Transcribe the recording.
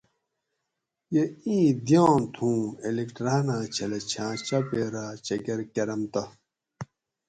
یہ ایں دیاں تھوں الیکٹراناں چھلہ چھاں چاپیرہ چکر کۤرم تہ